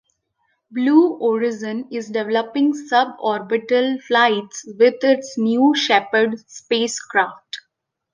Blue Origin is developing suborbital flights with its New Shepard spacecraft.